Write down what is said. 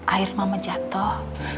akhirnya mama jatuh